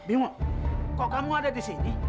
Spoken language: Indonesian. bimo kok kamu ada di sini